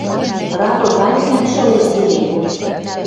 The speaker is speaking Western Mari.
Равы гань кӱкшӹ ылеш теве.